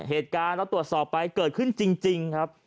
เหตุการณ์เราตรวจสอบไปเกิดขึ้นจริงครับ